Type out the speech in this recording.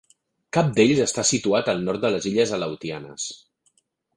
Cap d'ells està situat al nord de les illes Aleutianes.